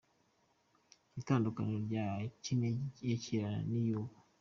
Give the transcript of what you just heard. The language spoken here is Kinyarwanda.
Itandukaniro rya Kinigi ya kera n’iy’ubu.